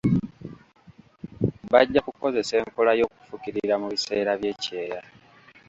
Bajja kukozesa enkola y'okufukirira mu biseera by'ekyeya.